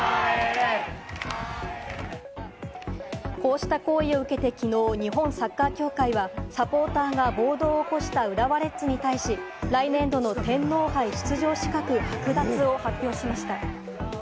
こうした行為を受けてきのう、日本サッカー協会はサポーターが暴動を起こした浦和レッズに対し、来年度の天皇杯出場資格剥奪を発表しました。